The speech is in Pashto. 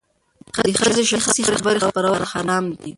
د ښځې شخصي خبرې خپرول حرام دي.